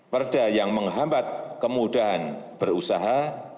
perda yang menghambat kemudahan berusaha